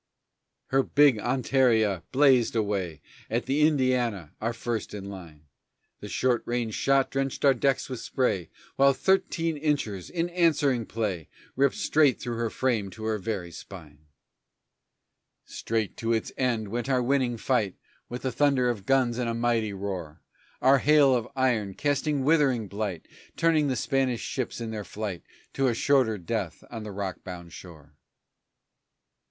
Her big Hontaria blazed away At the Indiana, our first in line. The short ranged shot drenched our decks with spray While our thirteen inchers, in answering play, Ripped straight through her frame to her very spine! Straight to its end went our winning fight With the thunder of guns in a mighty roar. Our hail of iron, casting withering blight, Turning the Spanish ships in their flight To a shorter death on the rock bound shore.